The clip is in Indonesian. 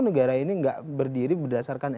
negara ini tidak berdiri berdasarkan